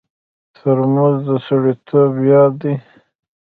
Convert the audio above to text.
ترموز د سړیتوب یاد دی.